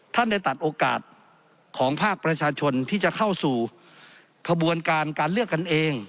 ท่านได้ตัดโอกาสของภาคประชาชนที่จะเข้าสู่ขบวนการการเลือกกันเอง